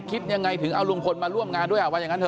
คิดยังไงถึงเอาลุงพลมาร่วมงานด้วย